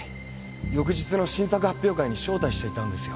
翌日の新作発表会に招待していたんですよ。